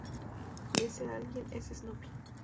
Y ese alguien es Snoopy.